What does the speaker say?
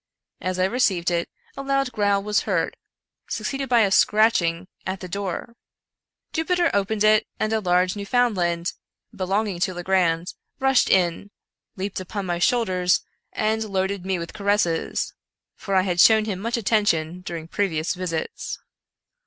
As I received it, a loud growl was heard, succeeded by a scratch ing at the door. Jupiter opened it, and a large Newfound land, belonging to Legrand, rushed in, leaped upon my shoulders, and loaded me with caresses ; for I had shown him much attention during previous visits.